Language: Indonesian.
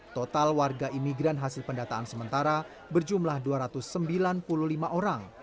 total warga imigran hasil pendataan sementara berjumlah dua ratus sembilan puluh lima orang